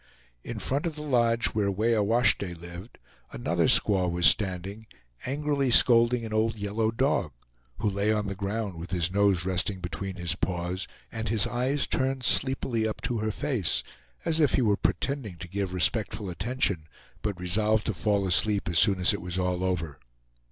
In front of the lodge where Weah Washtay lived another squaw was standing, angrily scolding an old yellow dog, who lay on the ground with his nose resting between his paws, and his eyes turned sleepily up to her face, as if he were pretending to give respectful attention, but resolved to fall asleep as soon as it was all over.